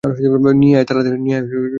নিয়ে আই, তাড়াতাড়ি!